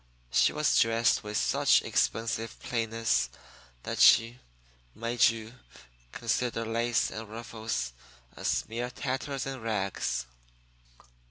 She was dressed with such expensive plainness that she made you consider lace and ruffles as mere tatters and rags.